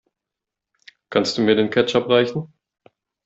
Kannst du mir den Ketchup reichen?